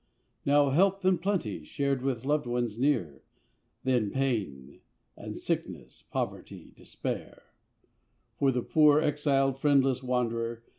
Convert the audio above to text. Now health and plenty, shared with loved ones near; Then pain and sickness, poverty, despair, For the poor, exiled, friendless wanderer.